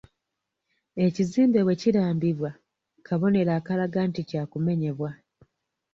Ekizimbe bwe kirambibwa, kabonero akalaga nti kya kumenyebwa.